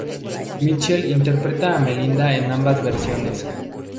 Mitchell interpreta a Melinda en ambas versiones.